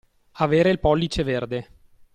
Avere il pollice verde.